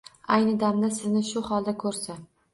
Ayni dam sizni shu holda ko’rsa